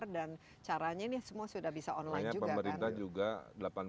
dan caranya ini semua sudah bisa online juga kan